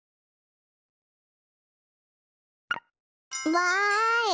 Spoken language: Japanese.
わい！